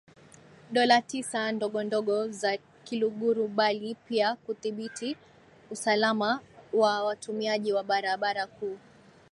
Dola Tisa ndogondogo za Kiluguru bali pia kudhibiti usalama wa watumiaji wa barabara kuu